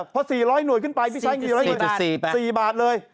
พอ๔๐๐หน่วยนะครับทำไมเนี่ยฮือ